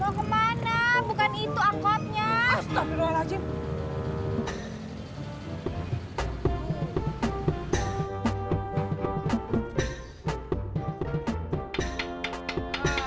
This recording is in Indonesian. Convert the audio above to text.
mau kemana bukan itu angkotnya